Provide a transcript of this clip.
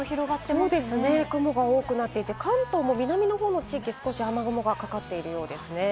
雲が多くなっていて、関東も南の方の地域、少し雨雲がかかっているようですね。